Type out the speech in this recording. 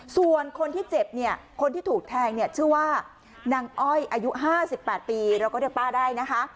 ส่วนคนที่เจ็บเนี่ยคนที่ถูกแทงเนี่ยชื่อว่านางอ้อยอายุ๕๘ปีเราก็เรียกป้าได้นะคะ